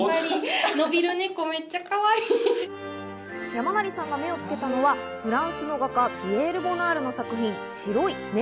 山成さんが目をつけたのは、フランスの画家、ピエール・ボナールの作品『白い猫』。